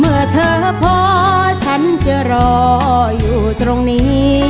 เมื่อเธอพอฉันจะรออยู่ตรงนี้